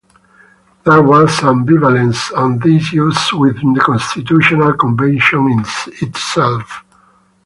There was ambivalence on these issues within the constitutional convention itself.